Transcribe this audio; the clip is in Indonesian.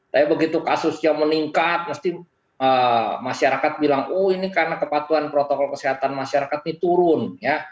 tapi begitu kasusnya meningkat mesti masyarakat bilang oh ini karena kepatuhan protokol kesehatan masyarakat ini turun ya